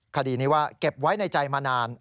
คดีนี้ว่าเก็บไว้ในใจมานาน